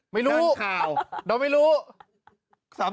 เหนือดอลข่าว